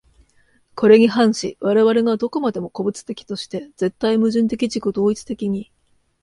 これに反し我々が何処までも個物的として、絶対矛盾的自己同一的に、